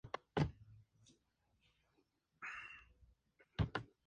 Pasó los años siguientes dedicados a la navegación mercante.